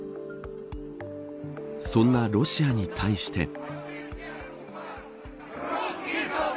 そんなロシアに対して。